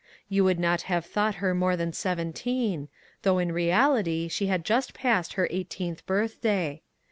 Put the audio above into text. You would not have thought her more than seventeen, though in reality she had just passed her eighteenth birthday.